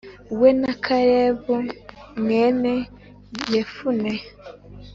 we, na Kalebu mwene Yefune,